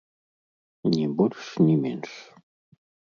Ні больш ні менш.